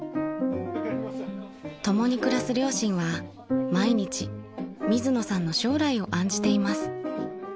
［共に暮らす両親は毎日水野さんの将来を案じています］